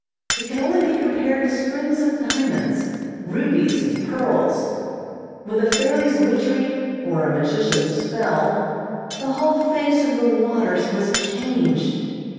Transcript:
It could only be compared to strings of diamonds, rubies and pearls. With a fairy's witchery, or a magician's spell, the whole face of the waters was changed.